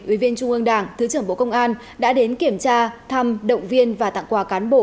ủy viên trung ương đảng thứ trưởng bộ công an đã đến kiểm tra thăm động viên và tặng quà cán bộ